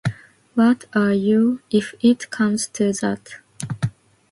What are you, if it comes to that?